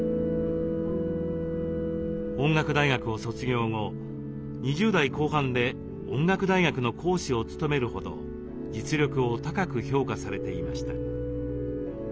音楽大学を卒業後２０代後半で音楽大学の講師を務めるほど実力を高く評価されていました。